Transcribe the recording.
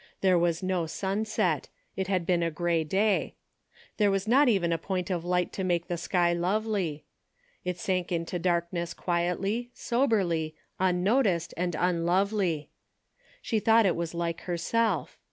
There was no sunset. It had been a grey day. There was not even a point of light to make the sky lovely. It sank into darkness quietly, soberly, unnoticed and unlovely. She thought it was like herself.